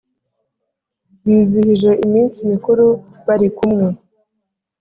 bizihije iminsi mikuru bari kumwe